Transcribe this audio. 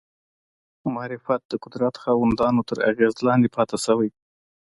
معرفت د قدرت خاوندانو تر اغېزې لاندې پاتې شوی